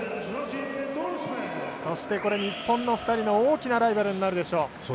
そして、これ日本の２人の大きなライバルになるでしょう。